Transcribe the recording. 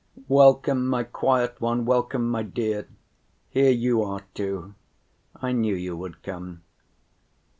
"Welcome, my quiet one, welcome, my dear, here you are too. I knew you would come."